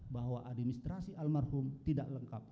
bahwa administrasi almarhum tidak lengkap